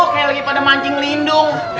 kayak lagi pada mancing lindung